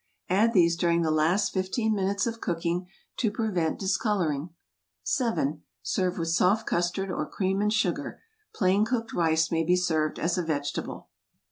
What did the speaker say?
Add these during the last fifteen minutes of cooking to prevent discoloring. 7. Serve with soft custard or cream and sugar. Plain cooked rice may be served as a vegetable.